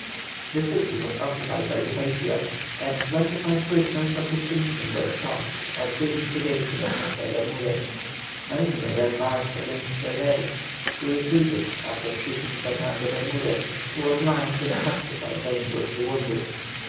The city was occupied by the Patriots, and twenty five prisoners of distinction were shot, at the instigation of José Bermudez. Mariño then marched against Cervéris, who retreated, after shooting Bernardo Bermudez, who was lying in a hospital dangerously wounded.